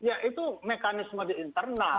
ya itu mekanisme di internal